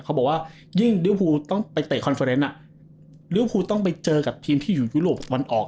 เขาบอกว่ายิ่งต้องไปเตะน่ะต้องไปเจอกับทีมที่อยู่ยุโรปวันออก